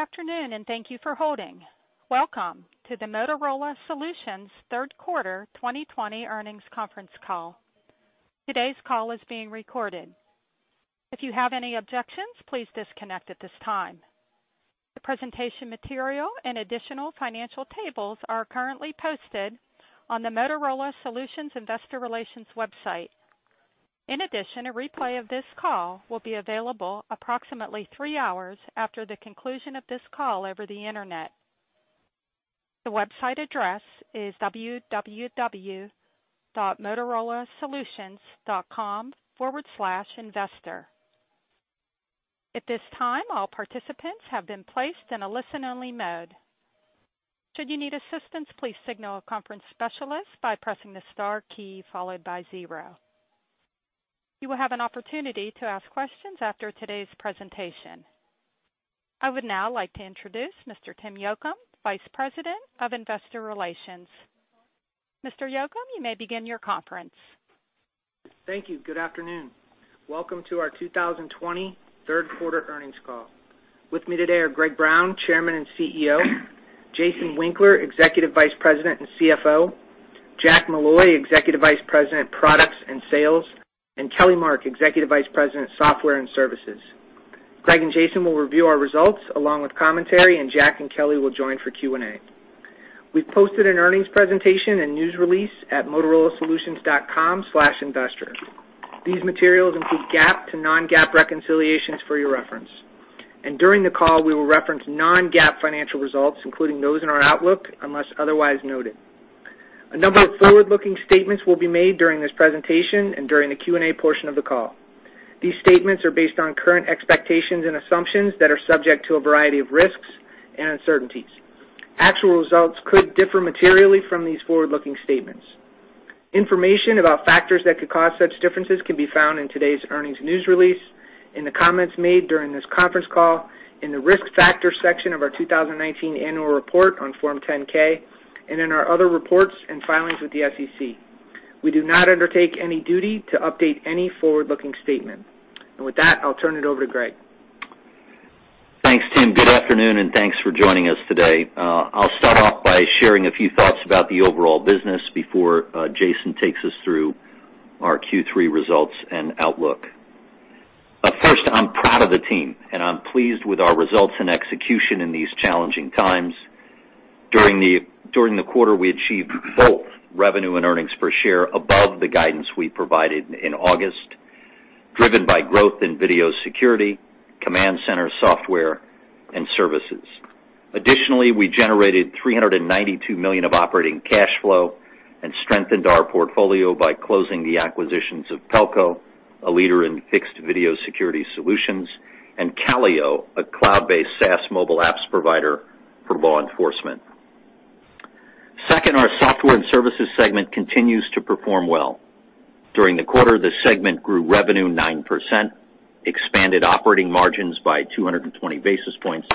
Good afternoon, and thank you for holding. Welcome to the Motorola Solutions Q3 2020 Earnings Conference Call. Today's call is being recorded. If you have any objections, please disconnect at this time. The presentation material and additional financial tables are currently posted on the Motorola Solutions Investor Relations website. In addition, a replay of this call will be available approximately three hours after the conclusion of this call over the internet. The website address is www.motorolasolutions.com/investor. At this time, all participants have been placed in a listen-only mode. Should you need assistance, please signal a conference specialist by pressing the star key followed by zero. You will have an opportunity to ask questions after today's presentation. I would now like to introduce Mr. Tim Yocum, Vice President of Investor Relations. Mr. Yocum, you may begin your conference. Thank you. Good afternoon. Welcome to our 2020 Q3 Earnings Call. With me today are Greg Brown, Chairman and CEO; Jason Winkler, Executive Vice President and CFO; Jack Molloy, Executive Vice President, Products and Sales; and Kelly Mark, Executive Vice President, Software and Services. Greg and Jason will review our results along with commentary, and Jack and Kelly will join for Q&A. We have posted an earnings presentation and news release at motorolasolutions.com/investor. These materials include GAAP to non-GAAP reconciliations for your reference. During the call, we will reference non-GAAP financial results, including those in our outlook, unless otherwise noted. A number of forward-looking statements will be made during this presentation and during the Q&A portion of the call. These statements are based on current expectations and assumptions that are subject to a variety of risks and uncertainties. Actual results could differ materially from these forward-looking statements. Information about factors that could cause such differences can be found in today's earnings news release, in the comments made during this conference call, in the risk factor section of our 2019 annual report on Form 10-K, and in our other reports and filings with the SEC. We do not undertake any duty to update any forward-looking statement. With that, I'll turn it over to Greg. Thanks, Tim. Good afternoon, and thanks for joining us today. I'll start off by sharing a few thoughts about the overall business before Jason takes us through our Q3 results and outlook. First, I'm proud of the team, and I'm pleased with our results and execution in these challenging times. During the quarter, we achieved both revenue and earnings per share above the guidance we provided in August, driven by growth in video security, Command Center software, and services. Additionally, we generated $392 million Operating Cash Flow and strengthened our portfolio by closing the acquisitions of Telco, a leader in fixed video security solutions, and Callyo, a Cloud-based SaaS mobile apps provider for law enforcement. Second, our Software and Services segment continues to perform well. During the quarter, the segment grew revenue 9%, expanded Operating margins by 220 basis points,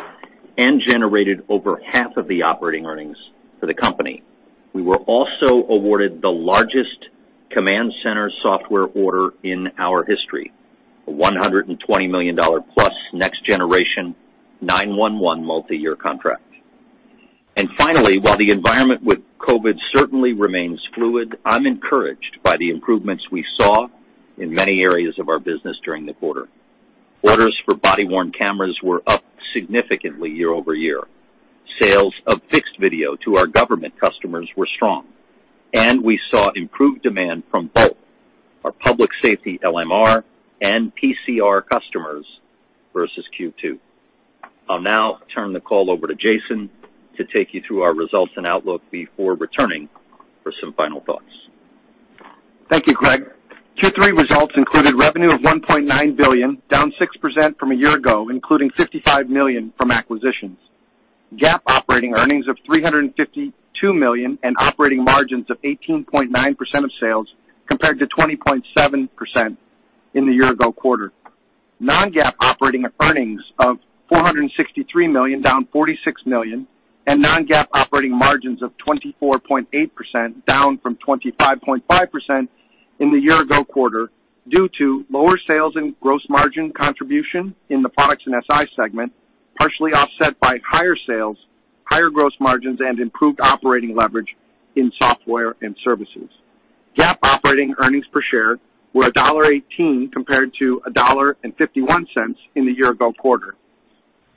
and generated over half of the Operating earnings for the company. We were also awarded the largest Command Center software order in our history, a $120 million+ next-generation 911 multi-year contract. Finally, while the environment with COVID certainly remains fluid, I'm encouraged by the improvements we saw in many areas of our business during the quarter. Orders for Body-worn Cameras were up significantly year-over-year. Sales of fixed video to our government customers were strong, and we saw improved demand from both our Public Safety LMR and PCR customers versus Q2. I'll now turn the call over to Jason to take you through our results and outlook before returning for some final thoughts. Thank you, Greg. Q3 results included revenue of $1.9 billion, down 6% from a year ago, including $55 million from acquisitions. GAAP Operating earnings of $352 million and Operating margins of 18.9% of sales compared to 20.7% in the year-ago quarter. Non-GAAP Operating earnings of $463 million, down $46 million, and non-GAAP Operating margins of 24.8%, down from 25.5% in the year-ago quarter due to lower sales and gross margin contribution in the Products and SI segment, partially offset by higher sales, higher gross margins, and improved Operating leverage in Software and Services. GAAP Operating earnings per share were $1.18 compared to $1.51 in the year-ago quarter.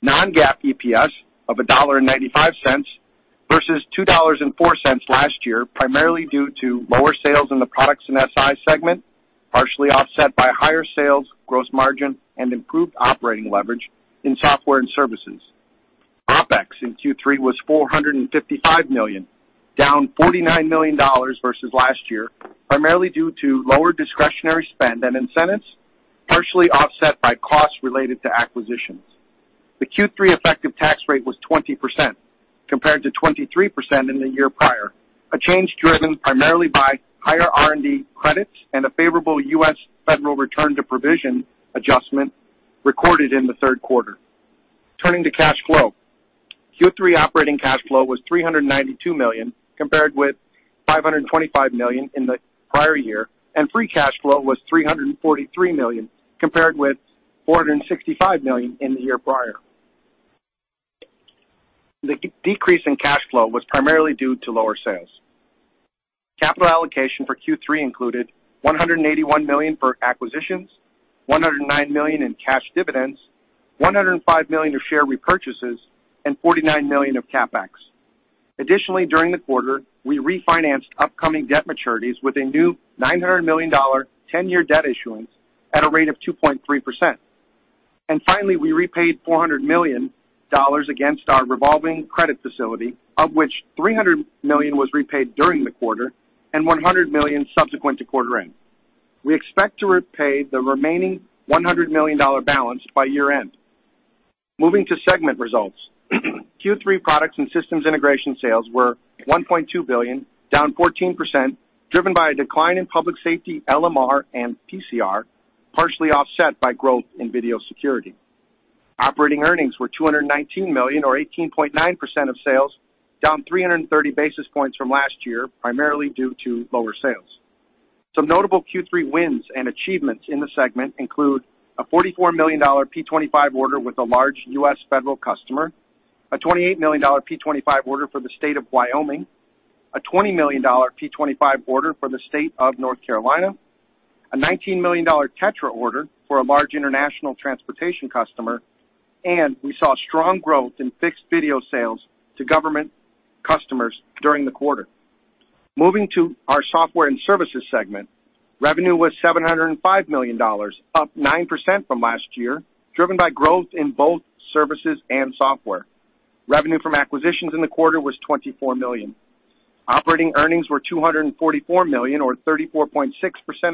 Non-GAAP EPS of $1.95 versus $2.04 last year, primarily due to lower sales in the Products and SI segment, partially offset by higher sales, gross margin, and improved Operating leverage in Software and Services. OpEx in Q3 was $455 million, down $49 million versus last year, primarily due to lower discretionary spend and incentives, partially offset by costs related to acquisitions. The Q3 effective tax rate was 20% compared to 23% in the year prior, a change driven primarily by higher R&D credits and a favorable U.S. federal return to provision adjustment recorded in the 3rd quarter. Turning to Cash Flow, Operating Cash Flow was $392 million compared with $525 million in the prior year, and Free Cash Flow was $343 million compared with $465 million in the year prior. The decrease in Cash Flow was primarily due to lower sales. Capital allocation for Q3 included $181 million for acquisitions, $109 million in cash dividends, $105 million of share repurchases, and $49 million of CAPX. Additionally, during the quarter, we refinanced upcoming debt maturities with a new $900 million 10-year debt issuance at a rate of 2.3%. Finally, we repaid $400 million against our revolving credit facility, of which $300 million was repaid during the quarter and $100 million subsequent to quarter end. We expect to repay the remaining $100 million balance by year-end. Moving to segment results, Q3 products and systems integration sales were $1.2 billion, down 14%, driven by a decline in Public Safety LMR and PCR, partially offset by growth in video security. Operating earnings were $219 million, or 18.9% of sales, down 330 basis points from last year, primarily due to lower sales. Some notable Q3 wins and achievements in the segment include a $44 million P25 order with a large U.S. Federal customer, a $28 million P25 order for the state of Wyoming, a $20 million P25 order for the state of North Carolina, a $19 million TETRA order for a large international transportation customer, and we saw strong growth in Fixed Video Sales to government customers during the quarter. Moving to our Software and Services segment, revenue was $705 million, up 9% from last year, driven by growth in both services and software. Revenue from acquisitions in the quarter was $24 million. Operating earnings were $244 million, or 34.6%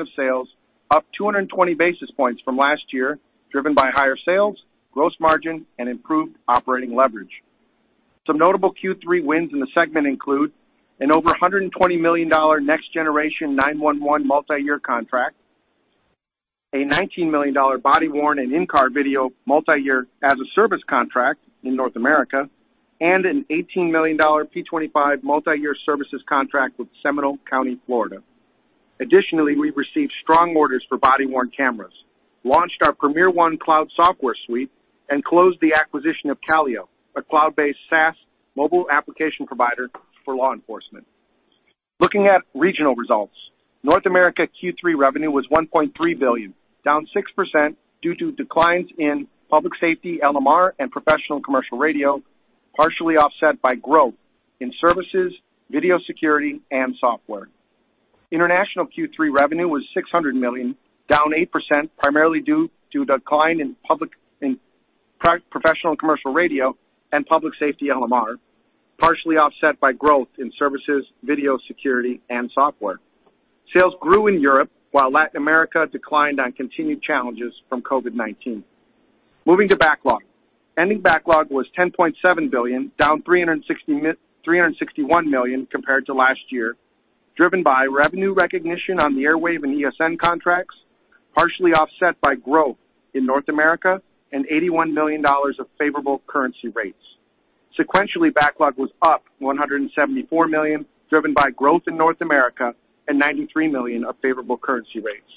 of sales, up 220 basis points from last year, driven by higher sales, gross margin, and improved Operating leverage. Some notable Q3 wins in the segment include an over $120 million next-generation 911 multi-year contract, a $19 million Body-worn and In-car video multi-year as a Service contract in North America, and an $18 million P25 multi-year services contract with Seminole County, Florida. Additionally, we received strong orders for Body-worn Cameras, launched our PremierOne Cloud software suite, and closed the acquisition of Callyo, a Cloud-based SaaS mobile application provider for law enforcement. Looking at regional results, North America Q3 revenue was $1.3 billion, down 6% due to declines in Public Safety LMR and Professional Commercial Radio, partially offset by growth in services, video security, and software. International Q3 revenue was $600 million, down 8%, primarily due to a decline in Professional Commercial Radio and Public Safety LMR, partially offset by growth in services, video security, and software. Sales grew in Europe, while Latin America declined on continued challenges from COVID-19. Moving to backlog, ending backlog was $10.7 billion, down $361 million compared to last year, driven by revenue recognition on the Airwave and ESN contracts, partially offset by growth in North America and $81 million of favorable currency rates. Sequentially, backlog was up $174 million, driven by growth in North America and $93 million of favorable currency rates.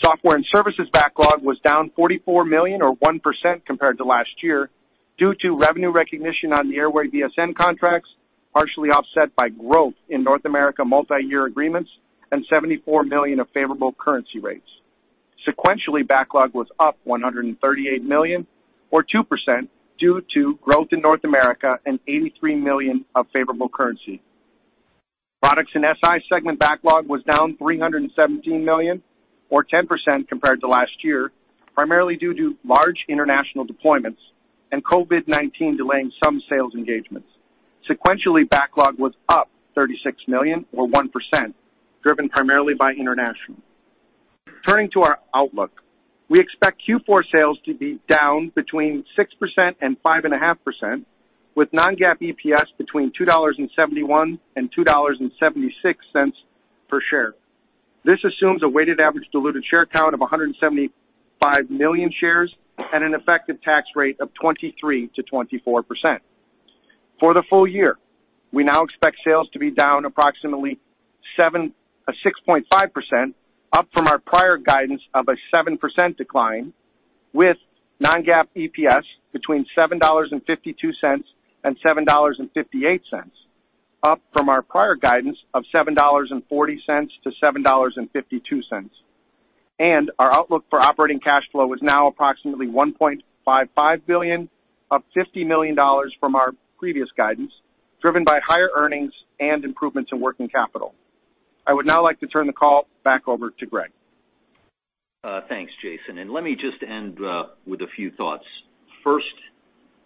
Software and Services backlog was down $44 million, or 1% compared to last year, due to revenue recognition on the Airwave/ESN contracts, partially offset by growth in North America multi-year agreements, and $74 million of favorable currency rates. Sequentially, backlog was up $138 million, or 2%, due to growth in North America and $83 million of favorable currency. Products and SI segment backlog was down $317 million, or 10% compared to last year, primarily due to large international deployments and COVID-19 delaying some sales engagements. Sequentially, backlog was up $36 million, or 1%, driven primarily by international. Turning to our outlook, we expect Q4 sales to be down between 6% and 5.5%, with non-GAAP EPS between $2.71 and $2.76 per share. This assumes a weighted average diluted share count of 175 million shares and an effective tax rate of 23%-24%. For the full year, we now expect sales to be down approximately 6.5%, up from our prior guidance of a 7% decline, with non-GAAP EPS between $7.52 and $7.58, up from our prior guidance of $7.40-$7.52. Our outlook Operating Cash Flow is now approximately $1.55 billion, up $50 million from our previous guidance, driven by higher earnings and improvements in working capital. I would now like to turn the call back over to Greg. Thanks, Jason. Let me just end with a few thoughts. First,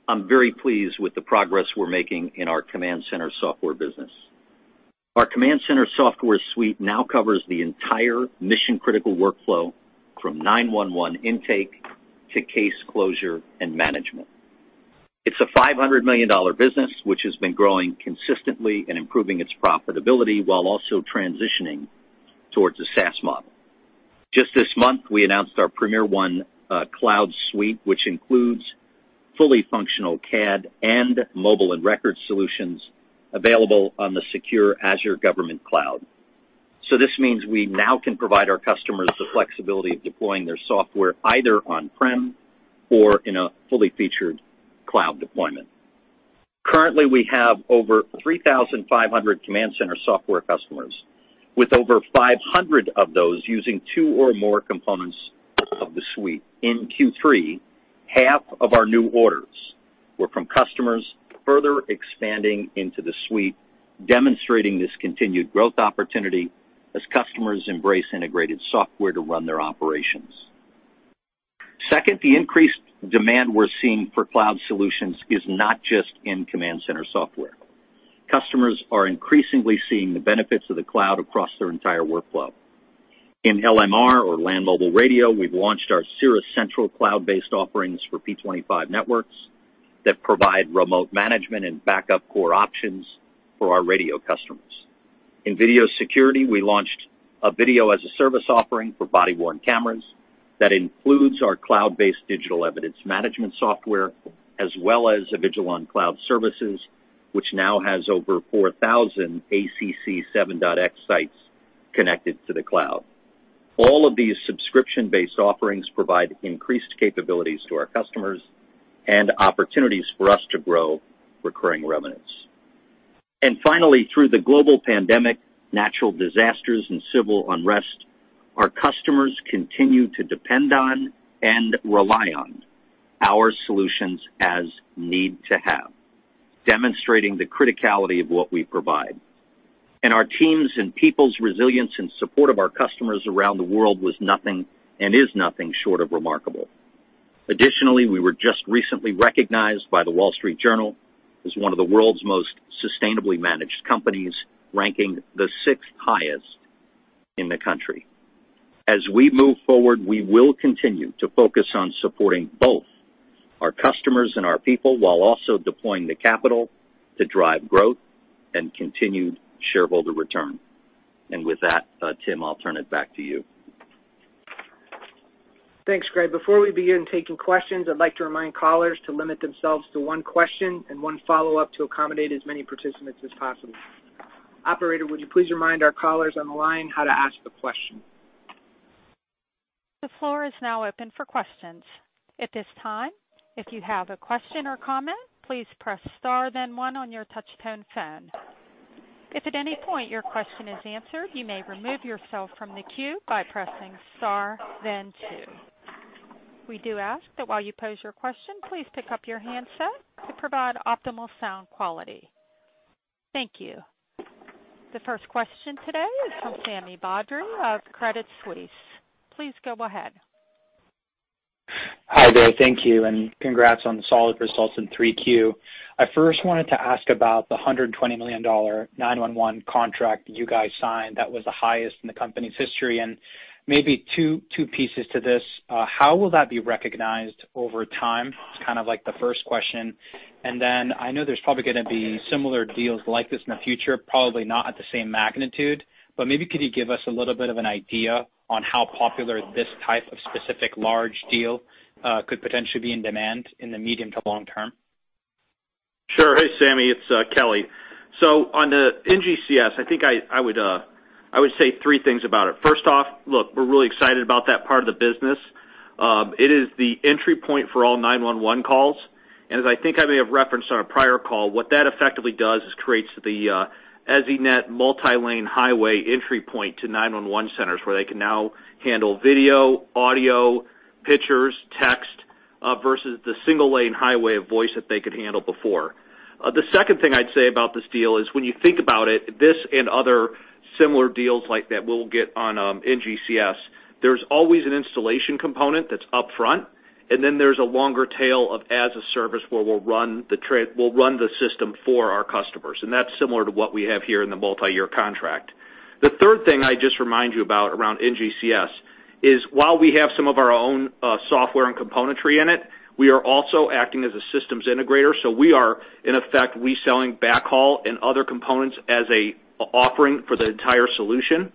I'm very pleased with the progress we're making in our Command Center software business. Our Command Center software suite now covers the entire mission-critical workflow from 911 intake to case closure and management. It's a $500 million business, which has been growing consistently and improving its profitability while also transitioning towards a SaaS model. Just this month, we announced our PremierOne Cloud suite, which includes fully functional CAD and mobile and record solutions available on the secure Azure Government Cloud. This means we now can provide our customers the flexibility of deploying their software either On-prem or in a fully featured cloud deployment. Currently, we have over 3,500 Command Center software customers, with over 500 of those using two or more components of the suite. In Q3, half of our new orders were from customers. Further expanding into the suite, demonstrating this continued growth opportunity as customers embrace integrated software to run their operations. Second, the increased demand we are seeing for cloud solutions is not just in Command Center software. Customers are increasingly seeing the benefits of the cloud across their entire workflow. In LMR, or Land Mobile Radio, we have launched our CirrusCentral cloud-based offerings for P25 networks that provide Remote Management and Backup Core options for our radio customers. In video security, we launched a Video as a Service offering for Body-worn Cameras that includes our Cloud-based Digital Evidence Management software, as well as Avigilon Cloud services, which now has over 4,000 ACC 7.X sites connected to the cloud. All of these subscription-based offerings provide increased capabilities to our customers and opportunities for us to grow recurring revenues. Finally, through the Global Pandemic, natural disasters, and civil unrest, our customers continue to depend on and rely on our solutions as need to have, demonstrating the criticality of what we provide. Our teams and people's resilience and support of our customers around the world was nothing and is nothing short of remarkable. Additionally, we were just recently recognized by the Wall Street Journal as one of the world's most sustainably managed companies, ranking the 6th highest in the country. As we move forward, we will continue to focus on supporting both our customers and our people while also deploying the capital to drive growth and continued shareholder return. With that, Tim, I'll turn it back to you. Thanks, Greg. Before we begin taking questions, I'd like to remind callers to limit themselves to one question and one follow-up to accommodate as many participants as possible. Operator, would you please remind our callers on the line how to ask the question? The floor is now open for questions. At this time, if you have a question or comment, please press star, then one on your touchtone phone. If at any point your question is answered, you may remove yourself from the queue by pressing star, then two. We do ask that while you pose your question, please pick up your handset to provide optimal sound quality. Thank you. The first question today is from Sami Badri of Credit Suisse. Please go ahead. Hi, Greg. Thank you. And congrats on the solid results in Q3. I first wanted to ask about the $120 million 911 contract you guys signed that was the highest in the company's history. Maybe two pieces to this. How will that be recognized over time? It's kind of like the first question. I know there's probably going to be similar deals like this in the future, probably not at the same magnitude. Maybe could you give us a little bit of an idea on how popular this type of specific large deal could potentially be in demand in the medium to long term? Sure. Hey, Sami. It's Kelly. On the NGCS, I think I would say three things about it. First off, look, we're really excited about that part of the business. It is the entry point for all 911 calls. As I think I may have referenced on a prior call, what that effectively does is creates the EZNet multi-lane highway entry point to 911 centers where they can now handle video, audio, pictures, text versus the single-lane highway of voice that they could handle before. The second thing I'd say about this deal is when you think about it, this and other similar deals like that we'll get on NGCS, there's always an installation component that's upfront. Then there's a longer tail of as a Service where we'll run the system for our customers. That's similar to what we have here in the multi-year contract. The third thing I'd just remind you about around NGCS is while we have some of our own software and componentry in it, we are also acting as a Systems Integrator. We are, in effect, reselling backhaul and other components as an offering for the entire solution,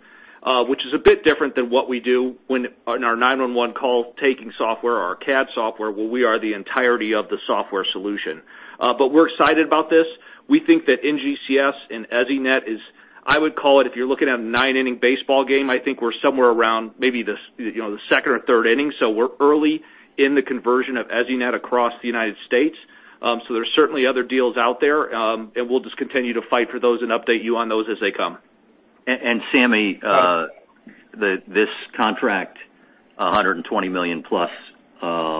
which is a bit different than what we do in our 911 call taking software or our CAD software where we are the entirety of the software solution. We're excited about this. We think that NGCS and EZNet is, I would call it, if you're looking at a nine-inning baseball game, I think we're somewhere around maybe the 2nd or 3rd inning. We're early in the conversion of EZNet across the United States. There's certainly other deals out there. We'll just continue to fight for those and update you on those as they come. Sami, this contract, $120 million+,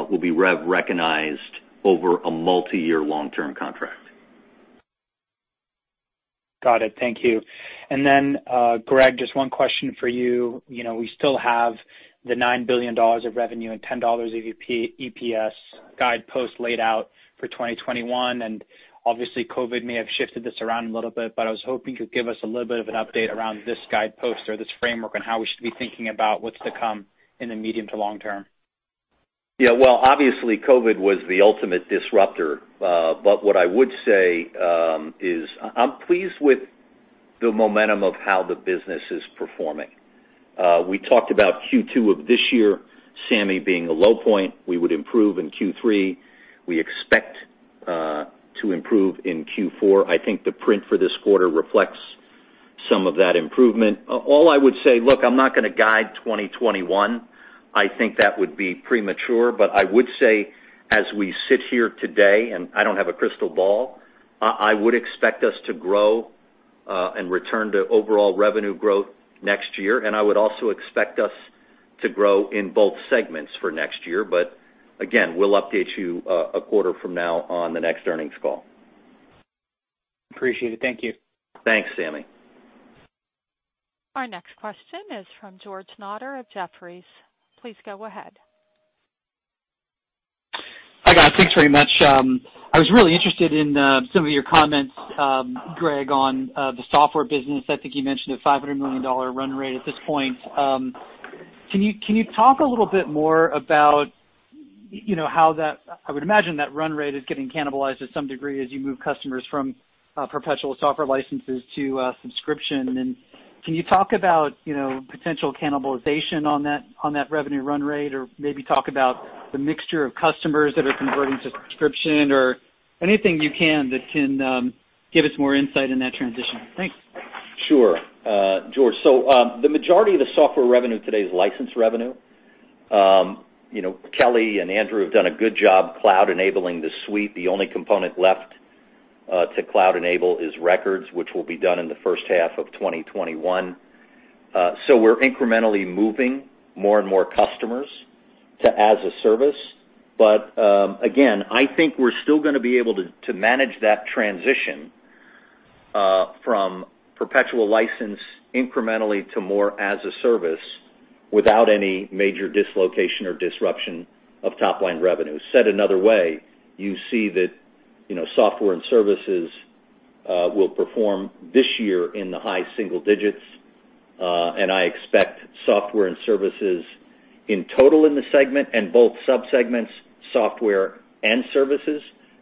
will be rev recognized over a multi-year long-term contract. Got it. Thank you. Greg, just one question for you. We still have the $9 billion of revenue and $10 of EPS guidepost laid out for 2021. Obviously, COVID may have shifted this around a little bit, but I was hoping you could give us a little bit of an update around this guidepost or this framework on how we should be thinking about what's to come in the medium to long term. Yeah. Obviously, COVID was the ultimate disruptor. What I would say is I'm pleased with the momentum of how the business is performing. We talked about Q2 of this year, Sami, being a low point. We would improve in Q3. We expect to improve in Q4. I think the print for this quarter reflects some of that improvement. All I would say, look, I'm not going to guide 2021. I think that would be premature. I would say, as we sit here today, and I don't have a crystal ball, I would expect us to grow and return to overall revenue growth next year. I would also expect us to grow in both segments for next year. Again, we'll update you a quarter from now on the next earnings call. Appreciate it. Thank you. Thanks, Sami. Our next question is from George Notter of Jefferies. Please go ahead. Hi, guys. Thanks very much. I was really interested in some of your comments, Greg, on the software business. I think you mentioned a $500 million run rate at this point. Can you talk a little bit more about how that, I would imagine, that run rate is getting cannibalized to some degree as you move customers from perpetual software licenses to subscription? Can you talk about potential cannibalization on that revenue run rate or maybe talk about the mixture of customers that are converting to subscription or anything you can that can give us more insight in that transition? Thanks. Sure. George, the majority of the software revenue today is license revenue. Kelly and Andrew have done a good job cloud-enabling the suite. The only component left to cloud-enable is records, which will be done in the 1st half of 2021. We are incrementally moving more and more customers to as a Service. Again, I think we are still going to be able to manage that transition from Perpetual License incrementally to more as a Service without any major dislocation or disruption of top-line revenue. Said another way, you see that Software and Services will perform this year in the high single digits. I expect Software and Services in total in the segment and both subsegments, Software and Services,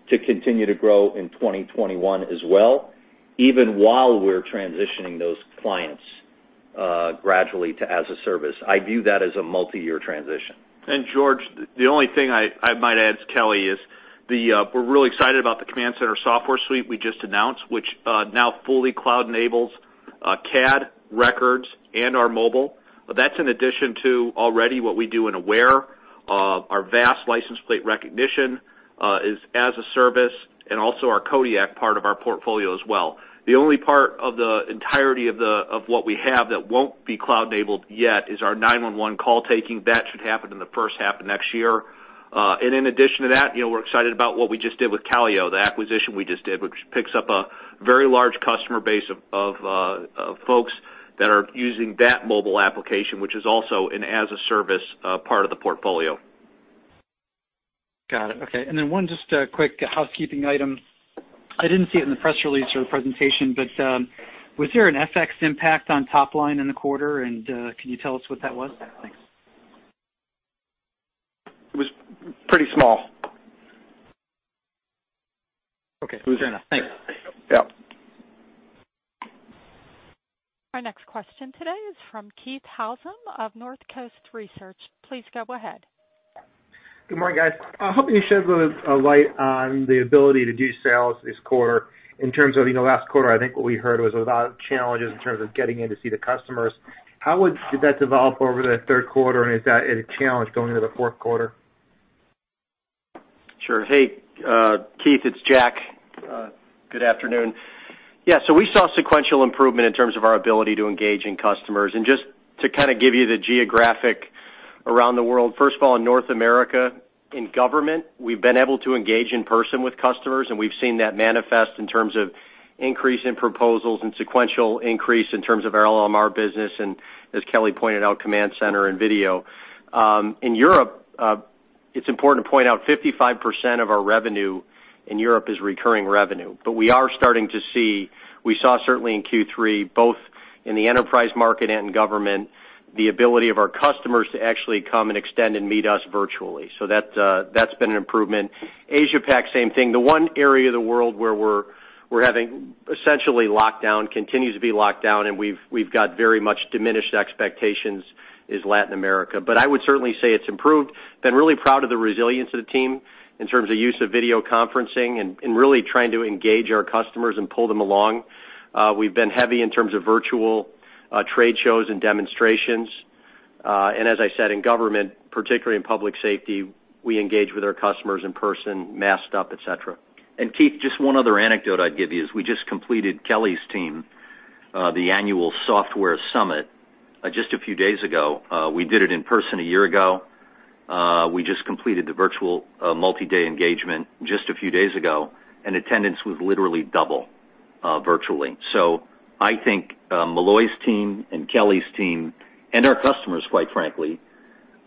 to continue to grow in 2021 as well, even while we are transitioning those clients gradually to as a Service. I view that as a multi-year transition. George, the only thing I might add, Kelly, is we're really excited about the Command Center software suite we just announced, which now fully cloud-enables CAD, records, and our mobile. That is in addition to already what we do in Aware. Our vast License Plate Recognition is as a Service and also our Kodiak part of our portfolio as well. The only part of the entirety of what we have that will not be cloud-enabled yet is our 911 call taking. That should happen in the 1st half of next year. In addition to that, we're excited about what we just did with Callyo, the acquisition we just did, which picks up a very large customer base of folks that are using that mobile application, which is also an as a Service part of the portfolio. Got it. Okay. One just quick housekeeping item. I did not see it in the press release or the presentation, but was there an FX impact on top-line in the quarter? Can you tell us what that was? Thanks. It was pretty small. Okay. It was in a thing. Yeah. Our next question today is from Keith Housum of Northcoast Research. Please go ahead. Good morning, guys. I hope you shed a light on the ability to do sales this quarter. In terms of last quarter, I think what we heard was a lot of challenges in terms of getting in to see the customers. How did that develop over the 3rd quarter? Is that a challenge going into the 4th quarter? Sure. Hey, Keith, it's Jack. Good afternoon. Yeah. We saw sequential improvement in terms of our ability to engage in customers. Just to kind of give you the geographic around the world, first of all, in North America, in government, we've been able to engage in person with customers. We have seen that manifest in terms of increase in proposals and sequential increase in terms of our LMR business and, as Kelly pointed out, Command Center and video. In Europe, it's important to point out 55% of our revenue in Europe is recurring revenue. We are starting to see we saw certainly in Q3, both in the enterprise market and in government, the ability of our customers to actually come and extend and meet us virtually. That has been an improvement. Asia-Pac, same thing. The one area of the world where we're having essentially lockdown, continues to be locked down, and we've got very much diminished expectations is Latin America. I would certainly say it's improved. Been really proud of the resilience of the team in terms of use of video conferencing and really trying to engage our customers and pull them along. We've been heavy in terms of virtual trade shows and demonstrations. As I said, in government, particularly in Public Safety, we engage with our customers in person, masked up, etc. Keith, just one other anecdote I'd give you is we just completed, Kelly's team, the annual software summit just a few days ago. We did it in person a year ago. We just completed the virtual multi-day engagement just a few days ago. Attendance was literally double virtually. I think Molloy's team and Kelly's team and our customers, quite frankly,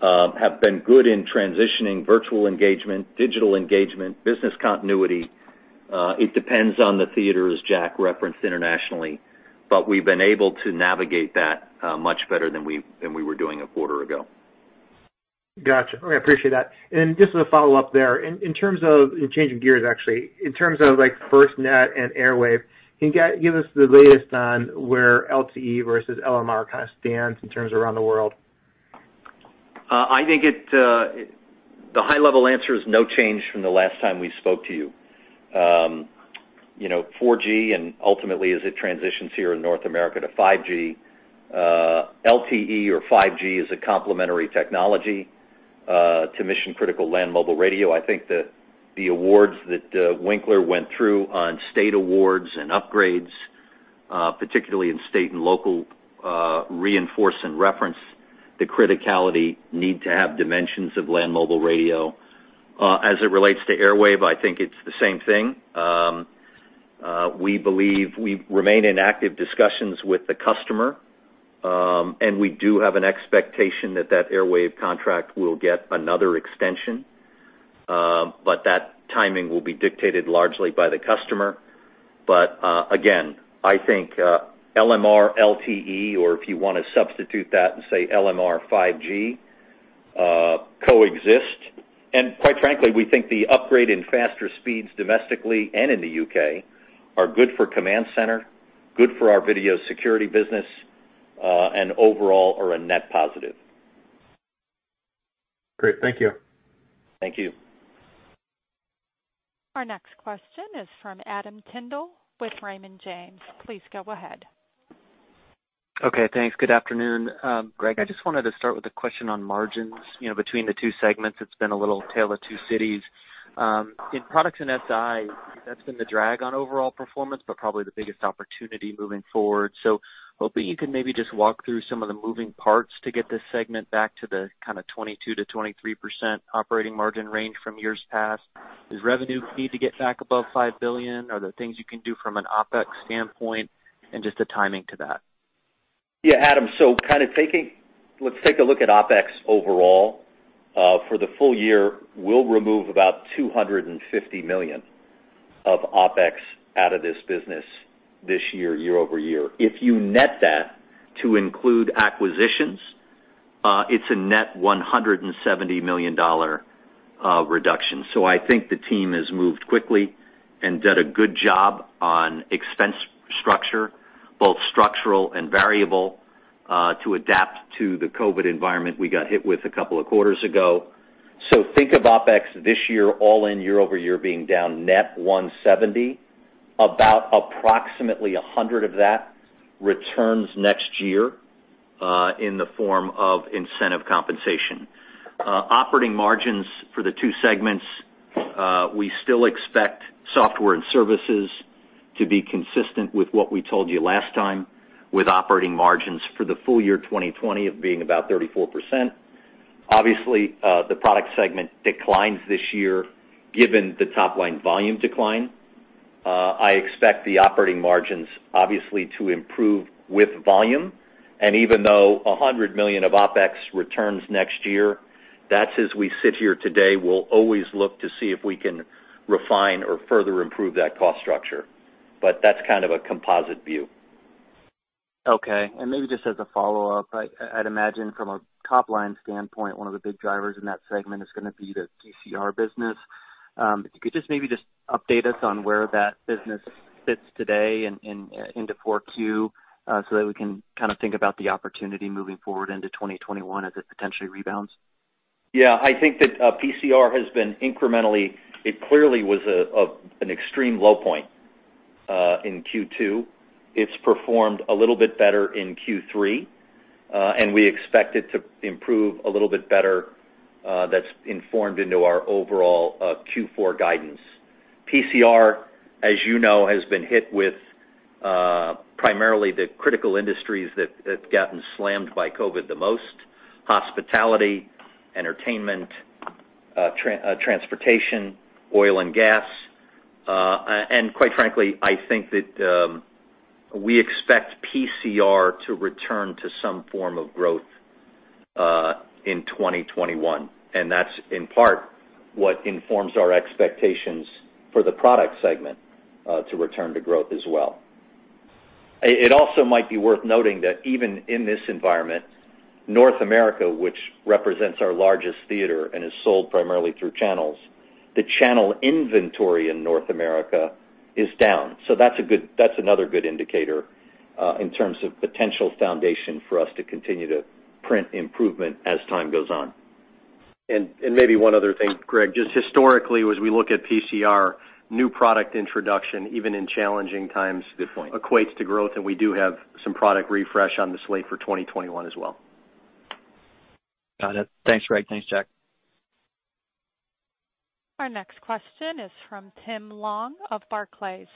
have been good in transitioning virtual engagement, digital engagement, business continuity. It depends on the theater, as Jack referenced internationally. We have been able to navigate that much better than we were doing a quarter ago. Gotcha. I appreciate that. Just as a follow-up there, in terms of changing gears, actually, in terms of FirstNet and Airwave, can you give us the latest on where LTE versus LMR kind of stands in terms around the world? I think the high-level answer is no change from the last time we spoke to you. 4G and ultimately, as it transitions here in North America to 5G, LTE or 5G is a complementary technology to mission-critical Land Mobile Radio. I think the awards that Winkler went through on state awards and upgrades, particularly in state and local, reinforce and reference the criticality need to have dimensions of Land Mobile Radio. As it relates to Airwave, I think it's the same thing. We believe we remain in active discussions with the customer. We do have an expectation that that Airwave contract will get another extension. That timing will be dictated largely by the customer. Again, I think LMR, LTE, or if you want to substitute that and say LMR 5G, coexist. Quite frankly, we think the upgrade in faster speeds domestically and in the U.K. are good for Command Center, good for our video security business, and overall are a net positive. Great. Thank you. Thank you. Our next question is from Adam Tindall with Raymond James. Please go ahead. Okay. Thanks. Good afternoon. Greg, I just wanted to start with a question on margins between the two segments. It's been a little tale of two cities. In products and SI, that's been the drag on overall performance, but probably the biggest opportunity moving forward. Hoping you can maybe just walk through some of the moving parts to get this segment back to the kind of 22%-23% Operating margin range from years past. Does revenue need to get back above $5 billion? Are there things you can do from an OpEx standpoint and just the timing to that? Yeah. Adam, so kind of taking let's take a look at OpEx overall. For the full year, we'll remove about $250 million of OpEx out of this business this year, year-over-year. If you net that to include acquisitions, it's a net $170 million reduction. I think the team has moved quickly and done a good job on expense structure, both structural and variable, to adapt to the COVID environment we got hit with a couple of quarters ago. Think of OpEx this year, all in year-over-year, being down net $170 million. About approximately $100 million of that returns next year in the form of incentive compensation. Operating margins for the two segments, we still expect Software and Services to be consistent with what we told you last time with Operating margins for the full year 2020 of being about 34%. Obviously, the product segment declines this year given the top-line volume decline. I expect the Operating margins, obviously, to improve with volume. Even though $100 million of OpEx returns next year, that's as we sit here today. We'll always look to see if we can refine or further improve that cost structure. That's kind of a composite view. Okay. Maybe just as a follow-up, I'd imagine from a top-line standpoint, one of the big drivers in that segment is going to be the DCR business. If you could just maybe update us on where that business sits today into Q4 so that we can kind of think about the opportunity moving forward into 2021 as it potentially rebounds. Yeah. I think that PCR has been incrementally, it clearly was an extreme low point in Q2. It's performed a little bit better in Q3. We expect it to improve a little bit better. That's informed into our overall Q4 guidance. PCR, as you know, has been hit with primarily the critical industries that have gotten slammed by COVID the most: Hospitality, Entertainment, Transportation, Oil and Gas. Quite frankly, I think that we expect PCR to return to some form of growth in 2021. That's in part what informs our expectations for the product segment to return to growth as well. It also might be worth noting that even in this environment, North America, which represents our largest theater and is sold primarily through channels, the Channel Inventory in North America is down. That is another good indicator in terms of potential foundation for us to continue to print improvement as time goes on. Maybe one other thing, Greg, just historically, as we look at PCR, new product introduction, even in challenging times, equates to growth. We do have some product refresh on the slate for 2021 as well. Got it. Thanks, Greg. Thanks, Jack. Our next question is from Tim Long of Barclays.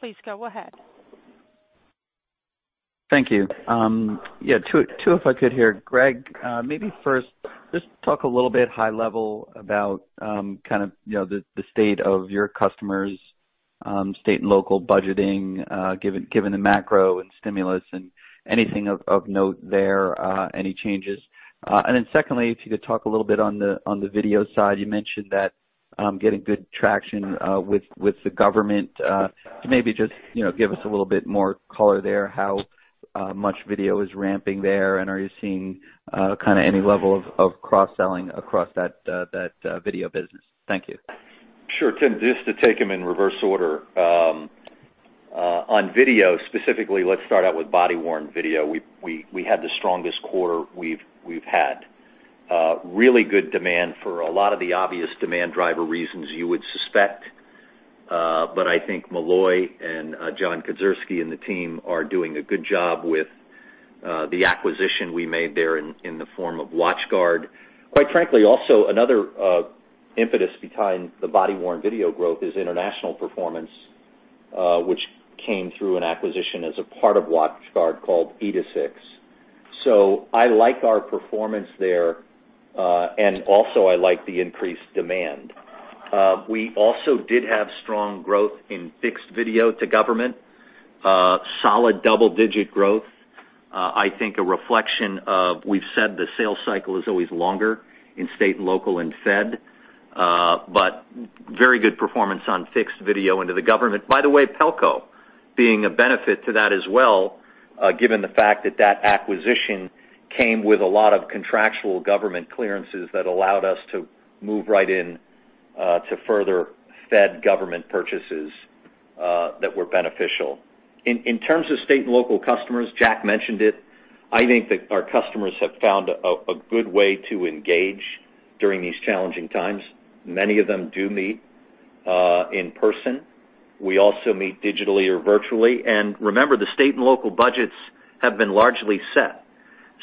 Please go ahead. Thank you. Yeah. Two, if I could here. Greg, maybe first, just talk a little bit high level about kind of the state of your customers, state and local budgeting, given the macro and stimulus and anything of note there, any changes. Secondly, if you could talk a little bit on the video side. You mentioned that getting good traction with the government. Maybe just give us a little bit more color there, how much video is ramping there, and are you seeing kind of any level of cross-selling across that video business? Thank you. Sure. Tim, just to take them in reverse order. On video specifically, let's start out with Body-worn Video. We had the strongest quarter we've had. Really good demand for a lot of the obvious demand driver reasons you would suspect. I think Molloy and John Kaczorowski and the team are doing a good job with the acquisition we made there in the form of WatchGuard. Quite frankly, also another impetus behind the Body-worn video growth is international performance, which came through an acquisition as a part of WatchGuard called Edesix. I like our performance there. I like the increased demand. We also did have strong growth in fixed video to government, solid double-digit growth. I think a reflection of we've said the sales cycle is always longer in state, local, and fed. Very good performance on fixed video into the government. By the way, Pelco being a benefit to that as well, given the fact that that acquisition came with a lot of contractual government clearances that allowed us to move right in to further fed government purchases that were beneficial. In terms of state and local customers, Jack mentioned it. I think that our customers have found a good way to engage during these challenging times. Many of them do meet in person. We also meet digitally or virtually. Remember, the state and local budgets have been largely set.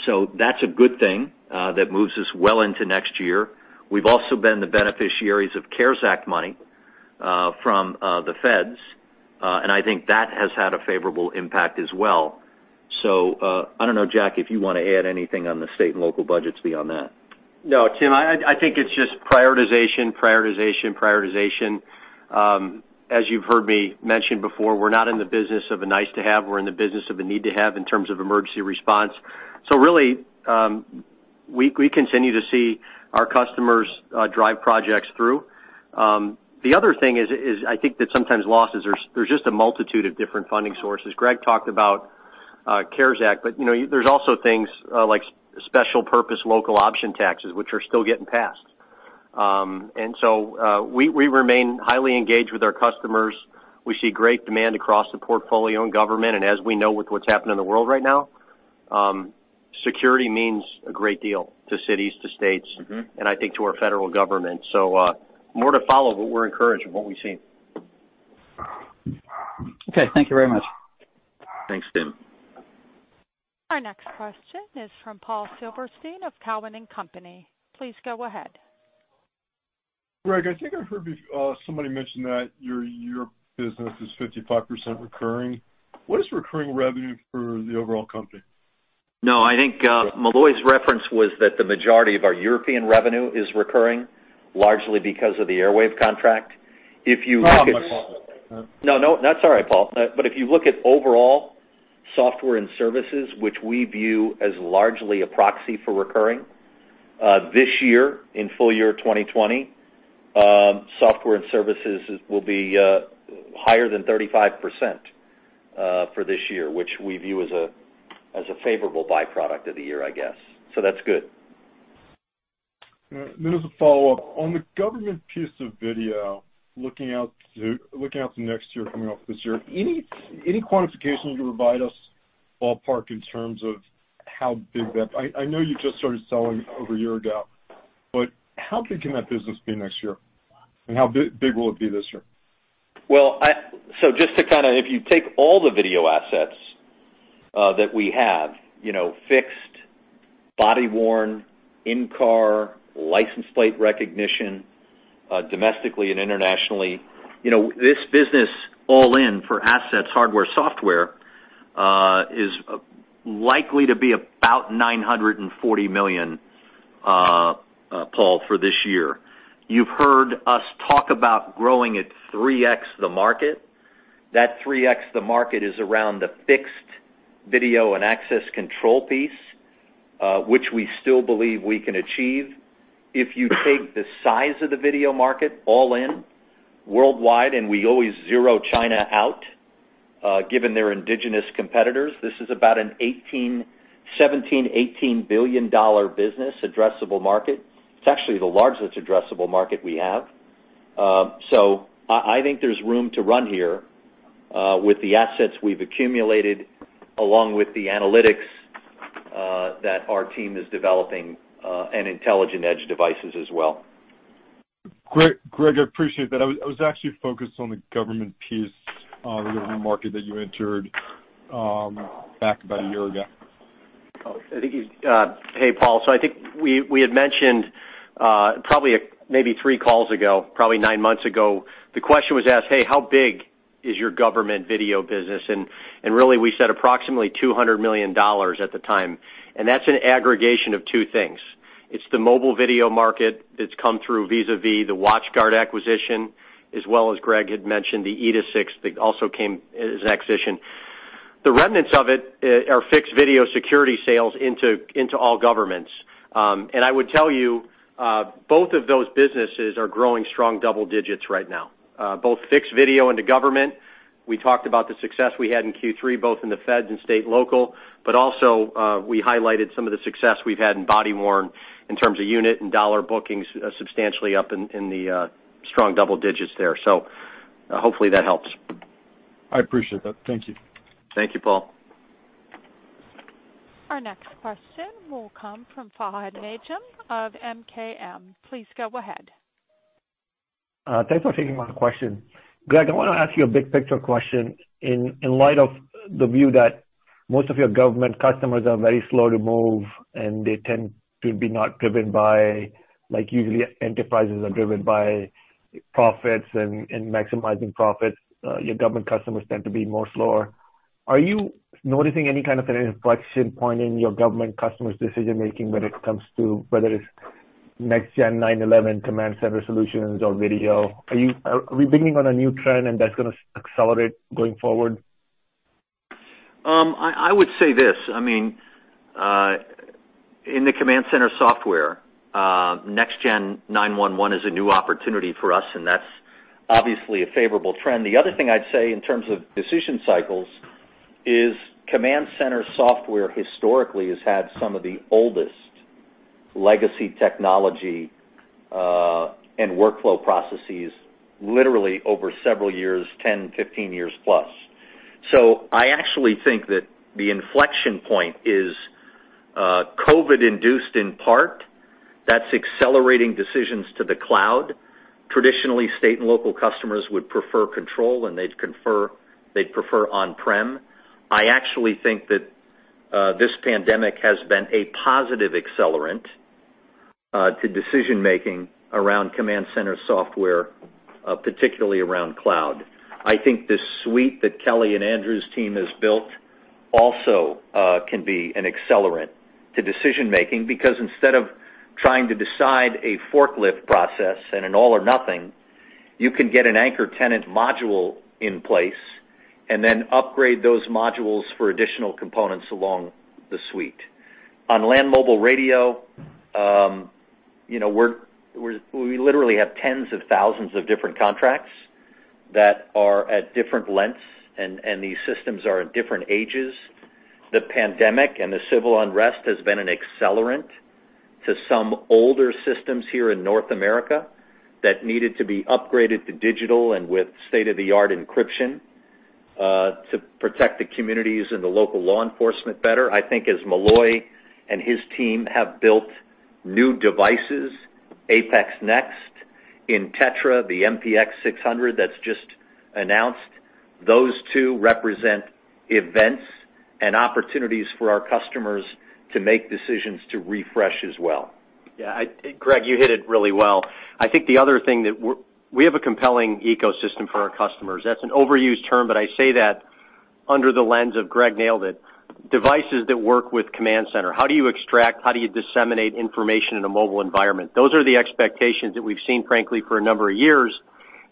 That is a good thing that moves us well into next year. We have also been the beneficiaries of CARES Act money from the feds. I think that has had a favorable impact as well. I do not know, Jack, if you want to add anything on the state and local budgets beyond that. No, Tim. I think it's just prioritization, prioritization, prioritization. As you've heard me mention before, we're not in the business of a nice-to-have. We're in the business of a need-to-have in terms of emergency response. Really, we continue to see our customers drive projects through. The other thing is I think that sometimes losses, there's just a multitude of different funding sources. Greg talked about CARES Act. There's also things like special purpose local option taxes, which are still getting passed. We remain highly engaged with our customers. We see great demand across the portfolio and government. As we know with what's happened in the world right now, security means a great deal to cities, to states, and I think to our Federal Government. More to follow, but we're encouraged with what we see. Okay. Thank you very much. Thanks, Tim. Our next question is from Paul Silverstein of Cowen and Company. Please go ahead. Greg, I think I heard somebody mention that your business is 55% recurring. What is recurring revenue for the overall company? No, I think Molloy's reference was that the majority of our European revenue is recurring, largely because of the Airwave contract. If you look at. Oh, my apologies. No, no. That is all right, Paul. If you look at overall Software and Services, which we view as largely a proxy for recurring, this year, in full year 2020, Software and Services will be higher than 35% for this year, which we view as a favorable byproduct of the year, I guess. That is good. As a follow-up, on the government piece of video, looking out to next year coming off this year, any quantification you can provide us ballpark in terms of how big that, I know you just started selling over a year ago. How big can that business be next year? How big will it be this year? Just to kind of if you take all the video assets that we have: Fixed, Body-worn, In-car License Plate Recognition, domestically and internationally, this business all in for assets, hardware, software is likely to be about $940 million, Paul, for this year. You've heard us talk about growing at 3X the market. That 3X the market is around the fixed video and access control piece, which we still believe we can achieve. If you take the size of the video market all in worldwide—and we always zero China out given their indigenous competitors—this is about a $17 billion-$18 billion business, addressable market. It's actually the largest addressable market we have. I think there's room to run here with the assets we've accumulated along with the analytics that our team is developing and intelligent edge devices as well. Greg, I appreciate that. I was actually focused on the government piece, the government market that you entered back about a year ago. Hey, Paul. I think we had mentioned probably maybe three calls ago, probably nine months ago, the question was asked, "Hey, how big is your government video business?" We said approximately $200 million at the time. That is an aggregation of two things. It is the mobile video market that has come through vis-à-vis the WatchGuard acquisition, as well as Greg had mentioned the EdesX that also came as an acquisition. The remnants of it are fixed video security sales into all governments. I would tell you, both of those businesses are growing strong double digits right now. Both fixed video into government, we talked about the success we had in Q3, both in the feds and state and local. We also highlighted some of the success we have had in Body-worn in terms of unit and dollar bookings substantially up in the strong double digits there. Hopefully that helps. I appreciate that. Thank you. Thank you, Paul. Our next question will come from Farhad Najm of MKM. Please go ahead. Thanks for taking my question. Greg, I want to ask you a big-picture question. In light of the view that most of your Government customers are very slow to move and they tend to be not driven by usually enterprises are driven by profits and maximizing profits, your government customers tend to be more slower. Are you noticing any kind of an inflection point in your government customers' decision-making when it comes to whether it's next-gen 911 Command Center solutions or video? Are we beginning on a new trend and that's going to accelerate going forward? I would say this. I mean, in the Command Center software, next-gen 911 is a new opportunity for us. And that's obviously a favorable trend. The other thing I'd say in terms of decision cycles is Command Center software historically has had some of the oldest legacy technology and workflow processes literally over several years, 10, 15 years+. So I actually think that the inflection point is COVID-induced in part. That's accelerating decisions to the cloud. Traditionally, state and local customers would prefer control and they'd prefer on-prem. I actually think that this pandemic has been a positive accelerant to decision-making around Command Center software, particularly around cloud. I think the suite that Kelly and Andrew's team has built also can be an accelerant to decision-making because instead of trying to decide a forklift process and an all-or-nothing, you can get an anchor tenant module in place and then upgrade those modules for additional components along the suite. On Land Mobile Radio, we literally have tens of thousands of different contracts that are at different lengths and these systems are at different ages. The pandemic and the civil unrest has been an accelerant to some older systems here in North America that needed to be upgraded to digital and with state-of-the-art encryption to protect the communities and the Local Law Enforcement better. I think as Molloy and his team have built new devices, APX NEXT in TETRA, the MPX600 that's just announced, those two represent events and opportunities for our customers to make decisions to refresh as well. Yeah. Greg, you hit it really well. I think the other thing that we have a compelling ecosystem for our customers. That's an overused term, but I say that under the lens of Greg nailed it. Devices that work with Command Center. How do you extract? How do you disseminate information in a mobile environment? Those are the expectations that we've seen, frankly, for a number of years.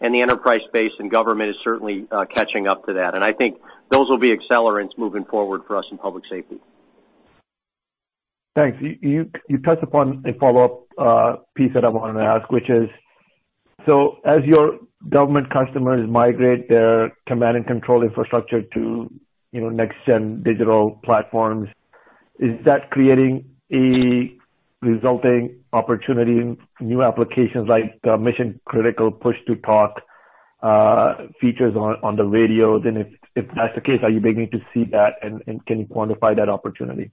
The Enterprise Space and Government is certainly catching up to that. I think those will be accelerants moving forward for us in Public Safety. Thanks. You touched upon a follow-up piece that I wanted to ask, which is, as your government customers migrate their command and control infrastructure to next-gen digital platforms, is that creating a resulting opportunity in new applications like mission-critical push-to-talk features on the radio? If that's the case, are you beginning to see that and can you quantify that opportunity?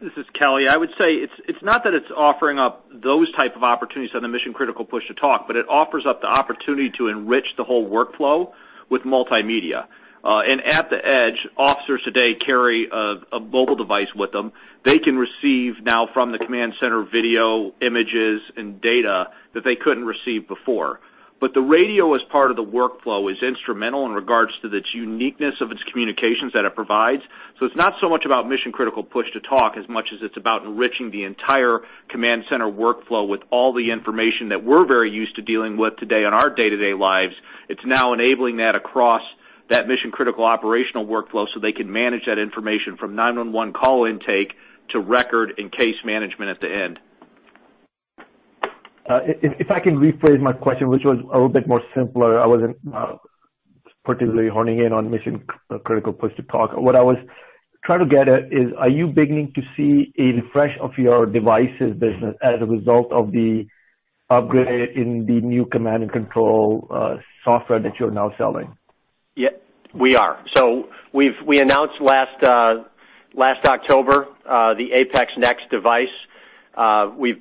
This is Kelly. I would say it's not that it's offering up those type of opportunities on the mission-critical push-to-talk, but it offers up the opportunity to enrich the whole workflow with multimedia. At the edge, officers today carry a mobile device with them. They can receive now from the Command Center video images and data that they couldn't receive before. The radio as part of the workflow is instrumental in regards to the uniqueness of its communications that it provides. It's not so much about mission-critical push-to-talk as much as it's about enriching the entire Command Center workflow with all the information that we're very used to dealing with today in our day-to-day lives. It's now enabling that across that mission-critical operational workflow so they can manage that information from 911 call intake to record and case management at the end. If I can rephrase my question, which was a little bit more simple, I wasn't particularly honing in on mission-critical push-to-talk. What I was trying to get at is, are you beginning to see a refresh of your devices business as a result of the upgrade in the new command and control software that you're now selling? Yep. We are. We announced last October the APX NEXT device. We've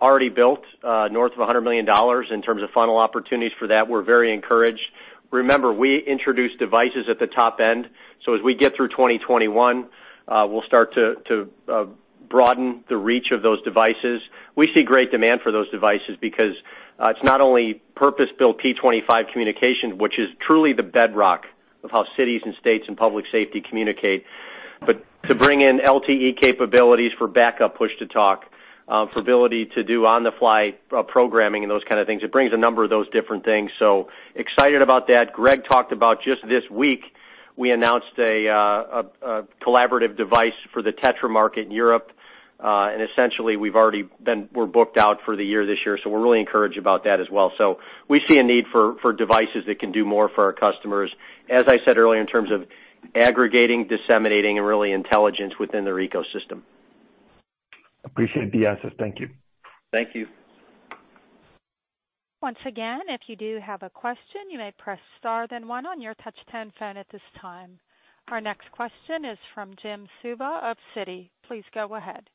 already built north of $100 million in terms of funnel opportunities for that. We're very encouraged. Remember, we introduced devices at the top end. As we get through 2021, we'll start to broaden the reach of those devices. We see great demand for those devices because it's not only purpose-built P25 communication, which is truly the bedrock of how cities and states and Public Safety communicate, but to bring in LTE capabilities for backup push-to-talk, for ability to do On-the-fly Programming and those kind of things. It brings a number of those different things. Excited about that. Greg talked about just this week, we announced a collaborative device for the TETRA market in Europe. Essentially, we've already been booked out for the year this year. We're really encouraged about that as well. We see a need for devices that can do more for our customers. As I said earlier, in terms of aggregating, disseminating, and really intelligence within their ecosystem. Appreciate the answers. Thank you. Thank you. Once again, if you do have a question, you may press star then one on your touch 10 phone at this time. Our next question is from Jim Suva of Citi. Please go ahead.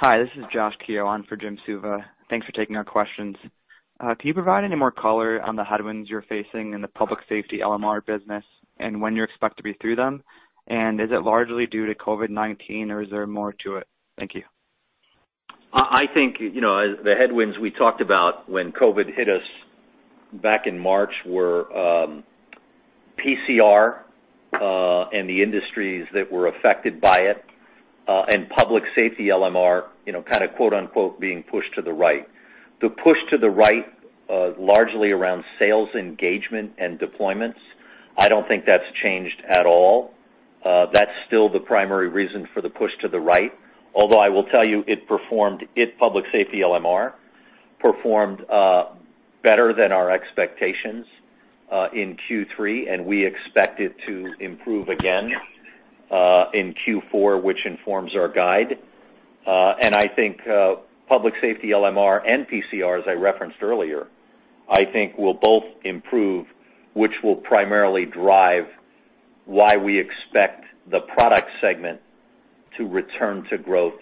Hi. This is Josh Ke on for Jim Suva. Thanks for taking our questions. Can you provide any more color on the headwinds you're facing in the Public Safety LMR business and when you're expected to be through them? Is it largely due to COVID-19 or is there more to it? Thank you. I think the headwinds we talked about when COVID hit us back in March were PCR and the industries that were affected by it and Public Safety LMR kind of quote-unquote being pushed to the right. The push to the right largely around sales engagement and deployments, I don't think that's changed at all. That's still the primary reason for the push to the right. Although I will tell you, it performed; Public Safety LMR performed better than our expectations in Q3, and we expect it to improve again in Q4, which informs our guide. I think Public Safety LMR and PCR, as I referenced earlier, I think will both improve, which will primarily drive why we expect the product segment to return to growth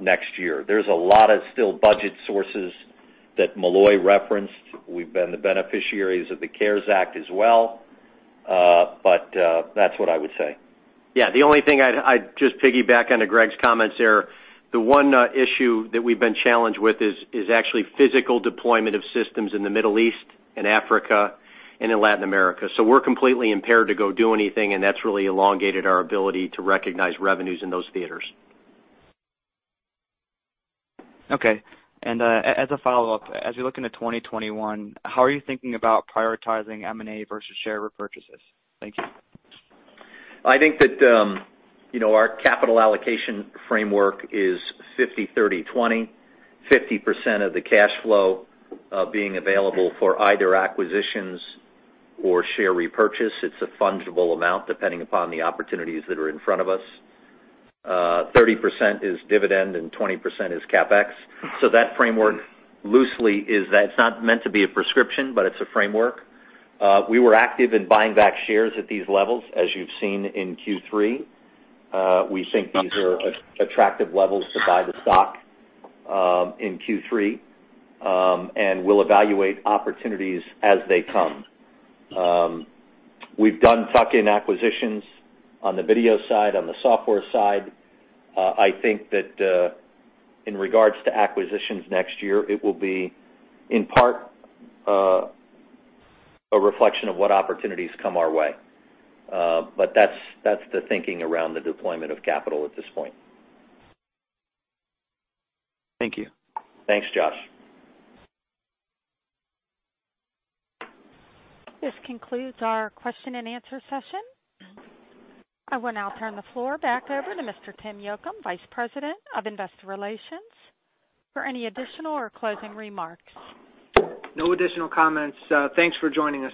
next year. There's a lot of still budget sources that Molloy referenced. We've been the beneficiaries of the CARES Act as well. That's what I would say. Yeah. The only thing I'd just piggyback onto Greg's comments there, the one issue that we've been challenged with is actually physical deployment of systems in the Middle East and Africa and in Latin America. We are completely impaired to go do anything, and that's really elongated our ability to recognize revenues in those theaters. Okay. As a follow-up, as you look into 2021, how are you thinking about prioritizing M&A versus share repurchases? Thank you. I think that our capital allocation framework is 50/30/20, 50% of the Cash Flow being available for either acquisitions or share repurchase. It's a fungible amount depending upon the opportunities that are in front of us. 30% is dividend and 20% is CAPX. That framework loosely is that it's not meant to be a prescription, but it's a framework. We were active in buying back shares at these levels, as you've seen in Q3. We think these are attractive levels to buy the stock in Q3, and we'll evaluate opportunities as they come. We've done tuck-in acquisitions on the video side, on the software side. I think that in regards to acquisitions next year, it will be in part a reflection of what opportunities come our way. That's the thinking around the deployment of capital at this point. Thank you. Thanks, Josh. This concludes our question and answer session. I will now turn the floor back over to Mr. Tim Yocum, Vice President of Investor Relations, for any additional or closing remarks. No additional comments. Thanks for joining us.